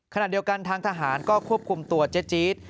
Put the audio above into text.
ขณะเดียวกันทางทหารก็ควบคุมตัวเจ๊จี๊ด